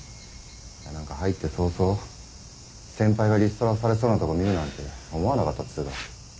何か入って早々先輩がリストラされそうなとこ見るなんて思わなかったっつうか。